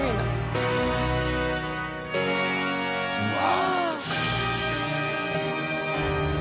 うわ。